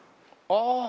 ああ。